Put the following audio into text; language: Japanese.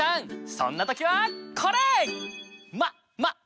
そんな時はこれ！